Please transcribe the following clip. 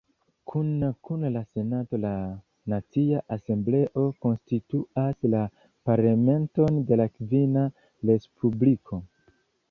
Kune kun la Senato, la Nacia Asembleo konstituas la Parlamenton de la Kvina Respubliko.